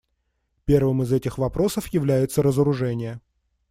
Первым из этих вопросов является разоружение.